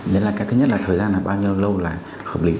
đấy là cái thứ nhất là thời gian là bao nhiêu lâu là hợp lý